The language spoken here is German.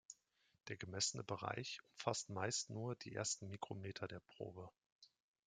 Der gemessene Bereich umfasst meist nur die ersten Mikrometer der Probe.